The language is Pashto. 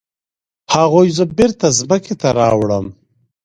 هغوی زه بیرته ځمکې ته راوړم.